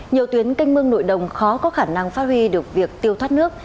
nhiều tuyến canh mương nội đồng khó có khả năng phát huy được việc tiêu thoát nước